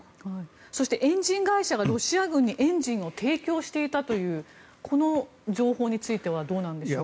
そして、エンジン会社がロシア軍にエンジンを提供していたというこの情報についてはどうなんでしょうか。